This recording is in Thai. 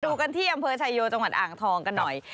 ดูกันที่อำเภอชายโยจังหวัดอ่างทองกันหน่อย